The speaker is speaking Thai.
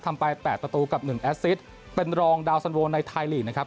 ทำไป๘ประตูกับ๑แอสซิสเป็นรองดาวสันโวในไทยลีกนะครับ